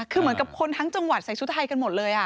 คือเหมือนกับคนทั้งจังหวัดใส่ชุดไทยกันหมดเลย